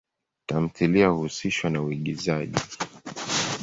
Tamthilia huhusishwa na uigizaji.